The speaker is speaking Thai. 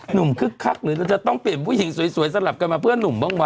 คึกคักหรือเราจะต้องเปลี่ยนผู้หญิงสวยสลับกันมาเพื่อนหนุ่มบ้างวะ